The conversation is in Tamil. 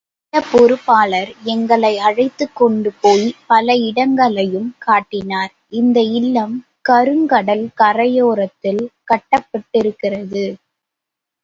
இல்லப் பொறுப்பாளர், எங்களை அழைத்துக் கொண்டு போய் பல இடங்களையும் காட்டினார் இந்த இல்லம் கருங்கடல் கரையோரத்தில் கட்டப்பட்டிருக்கிறது.